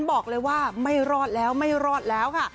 บอกเลยว่าไม่รอดแล้วไม่รอดแล้วค่ะ